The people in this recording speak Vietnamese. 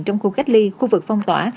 trong khu cách ly khu vực phong tỏa